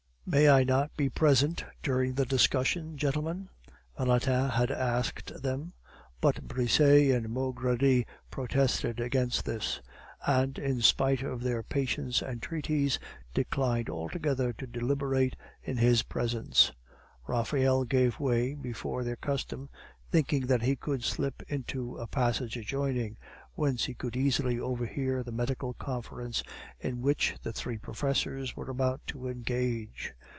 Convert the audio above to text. "May I not be present during the discussion, gentlemen?" Valentin had asked them, but Brisset and Maugredie protested against this, and, in spite of their patient's entreaties, declined altogether to deliberate in his presence. Raphael gave way before their custom, thinking that he could slip into a passage adjoining, whence he could easily overhear the medical conference in which the three professors were about to engage.